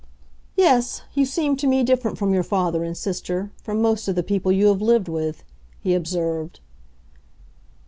"Yes, you seem to me different from your father and sister—from most of the people you have lived with," he observed.